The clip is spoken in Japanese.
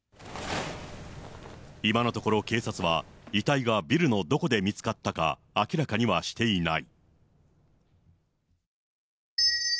今のところ警察は、遺体がビルのどこで見つかったか明らかにはしていない。